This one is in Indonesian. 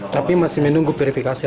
tapi masih menunggu verifikasi